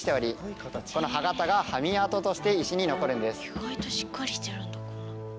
意外としっかりしてるんだこんな。